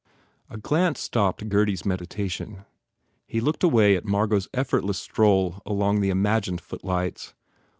A glance stopped Gurdy s meditation. He looked away at Margot s effort less stroll along the imagined footlights.